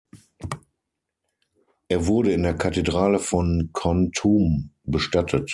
Er wurde in der Kathedrale von Kon Tum bestattet.